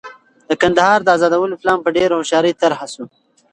د کندهار د ازادولو پلان په ډېره هوښیارۍ طرح شو.